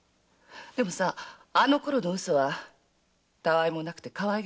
でもあのころのウソはたわいもなくてかわいげもあった。